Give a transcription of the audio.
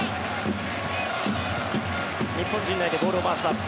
日本、陣内でボールを回します。